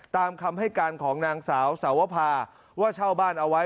ตามคำให้การของนางสาวสาวภาว่าเช่าบ้านเอาไว้